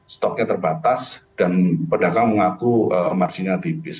stoknya terbatas dan pedagang mengaku marginnya tipis